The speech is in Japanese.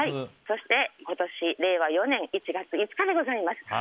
そして、今年令和４年１月５日でございます。